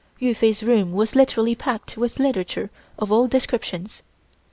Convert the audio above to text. Yu Fai's room was literally packed with literature of all descriptions.